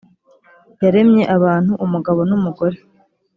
yaremye abantu umugabo n umugore